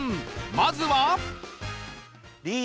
まずは